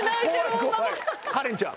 カレンちゃん。